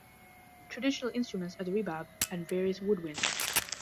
Traditional instruments are the rebab and various woodwinds.